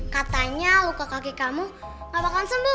katanya luka kaki kamu gak bakalan sembuh